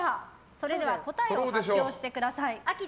それでは答えを発表してください。